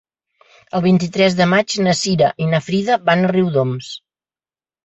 El vint-i-tres de maig na Cira i na Frida van a Riudoms.